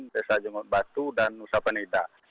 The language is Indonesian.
desa jenggot batu dan nusa panida